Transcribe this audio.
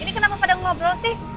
ini kenapa pada ngobrol sih